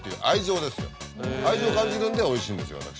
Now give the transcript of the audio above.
愛情感じるんでおいしいんですよ